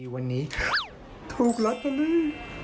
วันนี้ถูกลอตเตอรี่